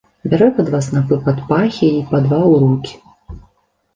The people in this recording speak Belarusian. Бярэ па два снапы пад пахі й па два ў рукі.